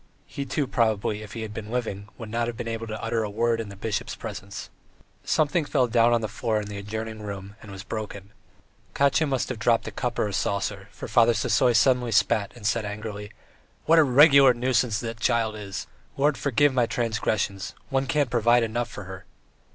He, too, probably, if he had been living, would not have been able to utter a word in the bishop's presence. ... Something fell down on the floor in the adjoining room and was broken; Katya must have dropped a cup or a saucer, for Father Sisoy suddenly spat and said angrily: "What a regular nuisance the child is! Lord forgive my transgressions! One can't provide enough for her."